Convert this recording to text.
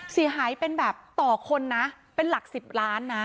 เสียหายเป็นแบบต่อคนนะเป็นหลัก๑๐ล้านนะ